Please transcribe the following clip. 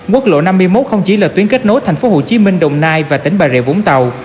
quốc lộ năm mươi một không chỉ là tuyến kết nối thành phố hồ chí minh đồng nai và tỉnh bà rịa vũng tàu